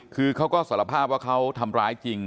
คือเขาก็สารภาพว่าเขาทำร้ายจริง